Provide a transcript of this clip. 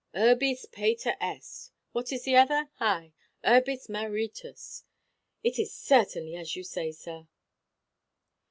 Urbis Pater est what is the other? ay Urbis Maritus. It is certainly as you say, sir."